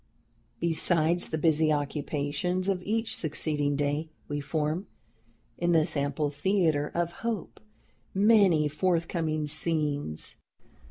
"Besides the busy occupations of each succeeding day, we form, in this ample theatre of hope, many forthcoming scenes.